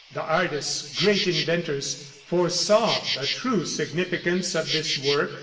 The artists, great inventors, foresaw the true significance of this work.